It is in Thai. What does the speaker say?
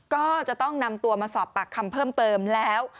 ก็จะต้องนำตัวมาสอบปากคำเพิ่มเติมแล้ว